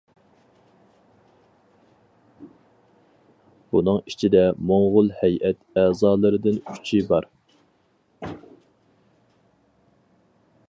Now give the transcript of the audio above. بۇنىڭ ئىچىدە موڭغۇل ھەيئەت ئەزالىرىدىن ئۈچى بار.